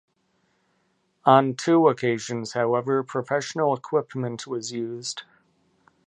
On two occasions, however, professional equipment was used.